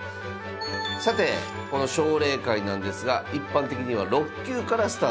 さてこの奨励会なんですが一般的には６級からスタート。